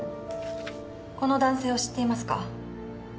この男性を知っていますか？